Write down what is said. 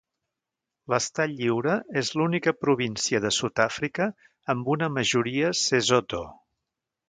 L'Estat Lliure és l'única província de Sud-àfrica amb una majoria sesotho.